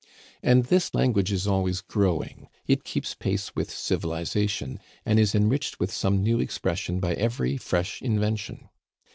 And this language is always growing; it keeps pace with civilization, and is enriched with some new expression by every fresh invention.